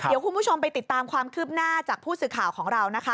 เดี๋ยวคุณผู้ชมไปติดตามความคืบหน้าจากผู้สื่อข่าวของเรานะคะ